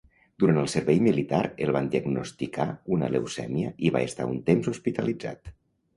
Durant el servei militar el van diagnosticar una leucèmia i va estar un temps hospitalitzat.